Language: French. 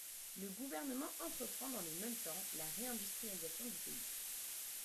Le Gouvernement entreprend, dans le même temps, la réindustrialisation du pays.